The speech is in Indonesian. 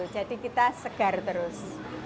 jadi kita segar terus